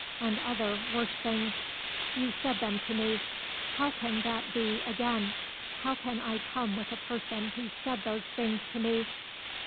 And other, worse things; you said them to me. How can that be again? How could I come with a person who said those things to me?"